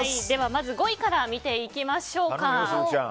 まず５位から見ていきましょう。